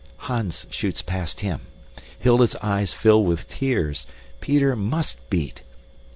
Hans shoots past him. Hilda's eyes fill with tears. Peter MUST beat.